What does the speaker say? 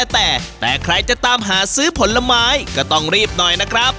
แต่แต่ใครจะตามหาซื้อผลไม้ก็ต้องรีบหน่อยนะครับ